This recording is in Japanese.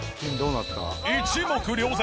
一目瞭然！